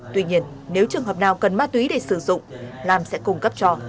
tuy nhiên nếu trường hợp nào cần ma túy để sử dụng lam sẽ cung cấp cho